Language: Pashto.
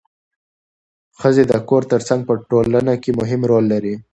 ښځې د کور ترڅنګ په ټولنه کې مهم رول لري